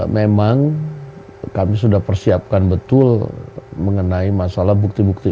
memang kami sudah persiapkan betul mengenai masalah bukti bukti